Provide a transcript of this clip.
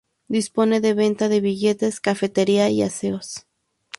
Dispone de venta de billetes, cafetería y aseos.